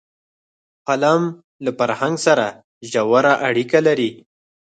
قلم له فرهنګ سره ژوره اړیکه لري